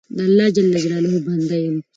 د الله جل جلاله بنده یم.